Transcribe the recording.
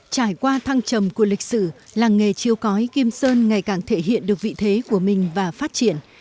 trải qua thăng trầm của lịch sử làng nghề chiêu cói kim sơn ngày càng thể hiện được vị thế của mình và phát triển